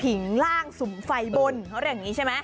ผิงล่างสุ่มไฟบนเพราะว่าอย่างนี้ใช่ไหม